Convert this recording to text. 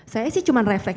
saya sih cuma refleks